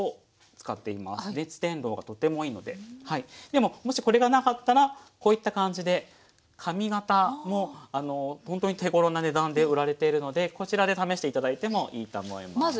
でももしこれがなかったらこういった感じで紙型もほんとに手ごろな値段で売られてるのでこちらで試して頂いてもいいと思います。